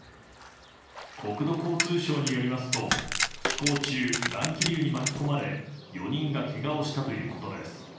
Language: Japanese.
国土交通省によりますと飛行中、乱気流に巻き込まれ４人がけがをしたということです。